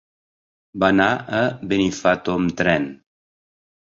Va anar a Benifato amb tren.